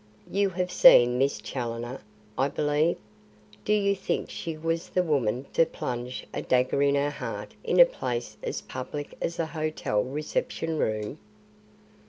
You have seen Miss Challoner, I believe. Do you think she was the woman to plunge a dagger in her heart in a place as public as a hotel reception room?"